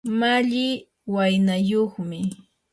malli waynayuqmi.